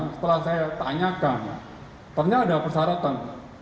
setelah saya tanyakan ternyata ada persyaratan